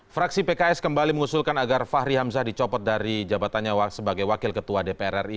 fraksi pks kembali mengusulkan agar fahri hamzah dicopot dari jabatannya sebagai wakil ketua dpr ri